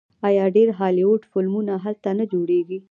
آیا ډیر هالیوډ فلمونه هلته نه جوړیږي؟